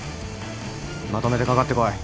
まとめてかかってこい。